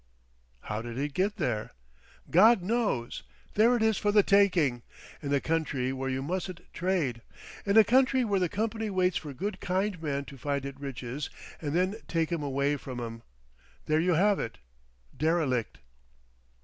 "How did it get there?" "God knows! ... There it is—for the taking! In a country where you mustn't trade. In a country where the company waits for good kind men to find it riches and then take 'em away from 'em. There you have it—derelict."